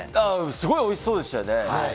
すごいおいしそうでしたよね。